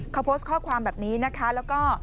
เขาโพสต์ข้อความแบบนี้นะคะแล้วก็